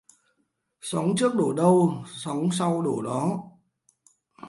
Sóng trước đổ đâu, sóng sau đổ đó.